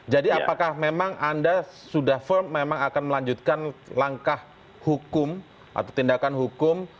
jadi apakah memang anda sudah firm memang akan melanjutkan langkah hukum atau tindakan hukum